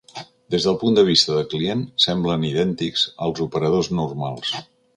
Des del punt de vista del client, semblen idèntics als operadors normals.